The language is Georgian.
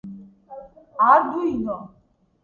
არდუინო